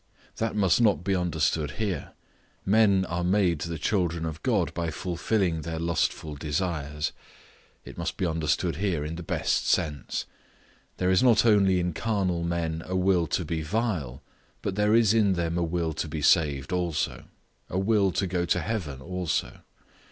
That must not be understood here; men are made the children of God by fulfilling their lustful desires; it must be understood here in the best sense. There is not only in carnal men a will to be vile, but there is in them a will to be saved also—a will to go to heaven also.